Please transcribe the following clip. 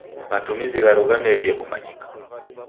Matumizi gharo ghamerie kumanyika.